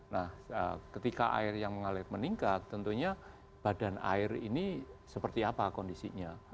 nah ketika air yang mengalir meningkat tentunya badan air ini seperti apa kondisinya